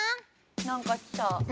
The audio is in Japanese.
何か来た。